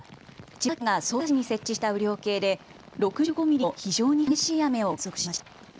千葉県が匝瑳市に設置した雨量計で６５ミリの非常に激しい雨を観測しました。